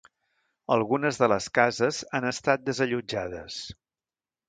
Algunes de les cases han estat desallotjades.